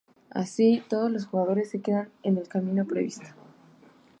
Así, todos los jugadores se quedan en el camino previsto.